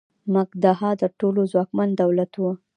مګدها تر ټولو ځواکمن دولت و.